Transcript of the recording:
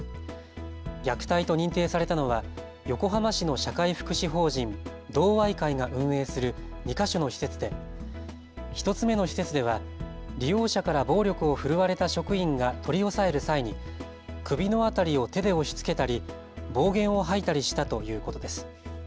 虐待と認定されたのは横浜市の社会福祉法人同愛会が運営する２か所の施設で１つ目の施設では利用者から暴力を振るわれた職員が取り押さえる際に首の辺りを手で押しつけたり暴言を吐いたりしたということです。